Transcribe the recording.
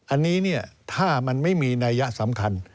อันนี้ถ้ามันไม่มีนัยยะสำคัญ